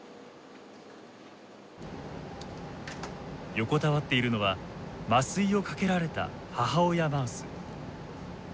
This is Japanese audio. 横たわっているのは麻酔をかけられた母親マウス。